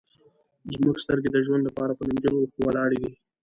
زموږ سترګې د ژوند لپاره په نمجنو اوښکو ولاړې دي.